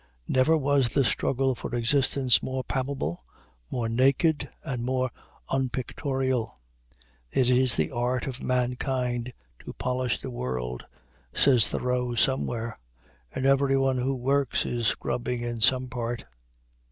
Never was the struggle for existence more palpable, more naked, and more unpictorial. "It is the art of mankind to polish the world," says Thoreau somewhere, "and everyone who works is scrubbing in some part."